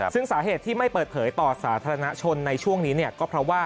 ซึ่งสาเหตุที่ไม่เปิดเผยต่อสาธารณชนในช่วงนี้ก็เพราะว่า